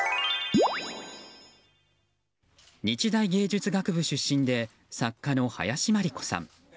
日大芸術学部出身で作家の林真理子さん。